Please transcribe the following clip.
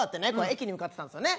駅に向かってたんすよね